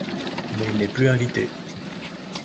Mais il n'est plus invité.